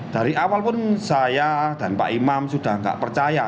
dari awal pun saya dan pak imam sudah tidak percaya